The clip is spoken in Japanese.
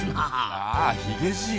あヒゲじい。